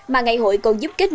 mà ngày hội còn giúp kết thúc